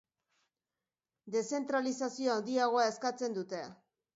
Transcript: Deszentralizazio handiagoa eskatzen dute.